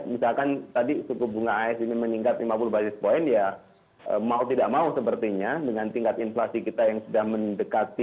misalkan tadi suku bunga as ini meningkat lima puluh basis point ya mau tidak mau sepertinya dengan tingkat inflasi kita yang sudah mendekati